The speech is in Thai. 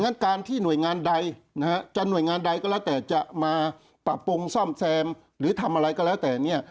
ฉะการที่หน่วยงานใดนะฮะจะหน่วยงานใดก็แล้วแต่จะมาปรับปรุงซ่อมแซมหรือทำอะไรก็แล้วแต่เนี่ย